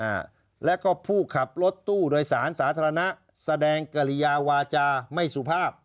อ่าแล้วก็ผู้ขับรถตู้โดยสารสาธารณะแสดงกริยาวาจาไม่สุภาพ